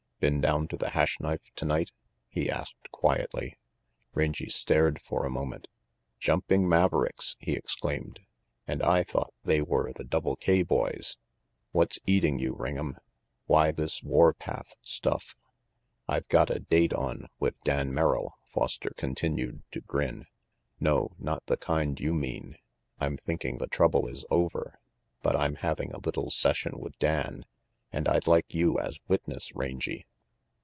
"Been down to the Hash Knife tonight?" he asked quietly. Rangy stared for a moment. "Jumping Mavericks!" he exclaimed. "And I thought they were the Double K boys. What's eating you, Ring'em? Why this warpath stuff?" "I've got a date on with Dan Merrill," Foster continued to grin. "No, not the kind you mean. I'm thinking the trouble is over. But I'm having a little session with Dan, and I'd like you as witness, Rangy."